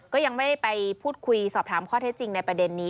ก็ยังไม่ได้ไปพูดคุยสอบถามข้อเท็จจริงในประเด็นนี้